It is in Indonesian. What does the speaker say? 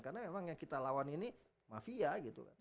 karena memang yang kita lawan ini mafia gitu kan